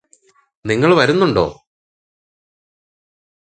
നിങ്ങള് വരുന്നുണ്ടോ